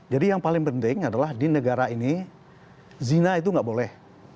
jadi yang paling penting adalah di negara ini zina itu nggak boleh